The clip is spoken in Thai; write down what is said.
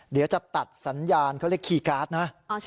เดี๋ยวจะตัดสัญญาณเขาเรียกคีย์การ์ดนะ